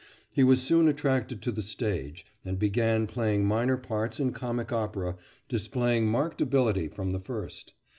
He was soon attracted to the stage, and began playing minor parts in comic opera, displaying marked ability from the first.